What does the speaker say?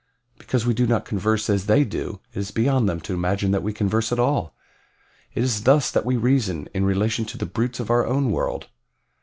Because we do not converse as they do it is beyond them to imagine that we converse at all. It is thus that we reason in relation to the brutes of our own world.